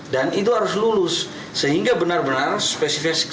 dan itu harus lulus sehingga benar benar spesifikasi